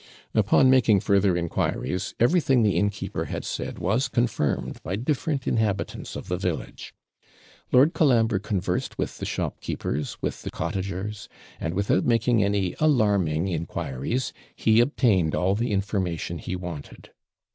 Upon making further inquiries, everything the innkeeper had said was confirmed by different inhabitants of the village. Lord Colambre conversed with the shopkeepers, with the cottagers; and, without making any alarming inquiries, he obtained all the information he wanted.